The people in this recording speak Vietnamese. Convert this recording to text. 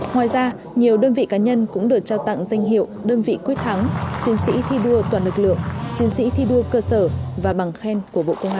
ngoài ra nhiều đơn vị cá nhân cũng được trao tặng danh hiệu đơn vị quyết thắng chiến sĩ thi đua toàn lực lượng chiến sĩ thi đua cơ sở và bằng khen của bộ công an